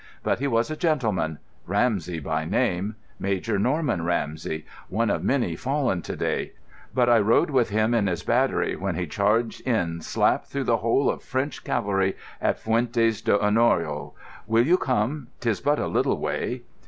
But he was a gentleman; Ramsey by name—Major Norman Ramsey; one of many fallen to day, but I rode with him in his battery when he charged in slap through the whole French cavalry at Fuentes d'Oñoro. Will you come? 'Tis but a little way."